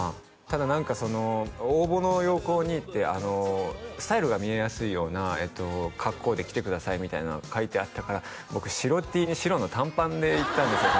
ただ何か応募の要項にスタイルが見えやすいような格好で来てくださいみたいなのが書いてあったから僕白Ｔに白の短パンで行ったんですよ